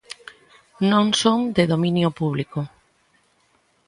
Non son de dominio público.